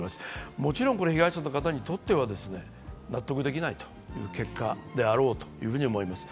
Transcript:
もちろん被害者の方にとっては納得できない結果であろうと思います。